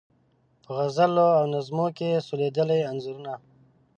په غزلو او نظمو کې سولیدلي انځورونه